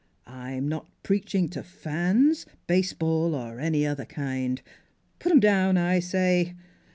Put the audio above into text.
"I'm not preaching to fans baseball or any other kind. Put 'em down, I say!